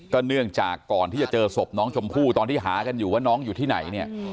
เนื่องจากก่อนที่จะเจอศพน้องชมพู่ตอนที่หากันอยู่ว่าน้องอยู่ที่ไหนเนี่ย